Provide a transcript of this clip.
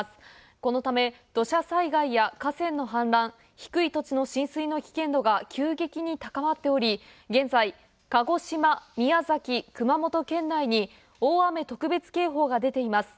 このため、土砂災害や河川の氾濫、低い土地の浸水の危険度が急激に高まっており、現在、鹿児島、宮崎、熊本県内に大雨特別警報が出ています。